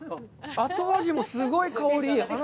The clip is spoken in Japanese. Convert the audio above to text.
後味もすごい香りいい。